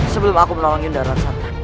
sebelum aku menolong yunda ransata